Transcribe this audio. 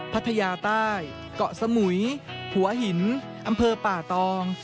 พัทยาใต้เกาะสมุยหัวหินอำเภอป่าตอง